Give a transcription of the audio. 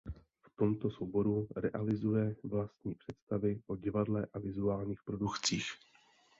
V tomto souboru realizuje vlastní představy o divadle a vizuálních produkcích.